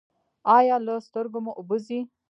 ایا له سترګو مو اوبه ځي؟